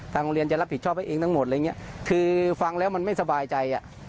โรงเรียนจะรับผิดชอบให้เองทั้งหมดอะไรอย่างเงี้ยคือฟังแล้วมันไม่สบายใจอ่ะ